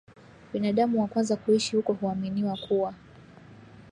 Binadamu wa kwanza kuishi huko huaminiwa kuwa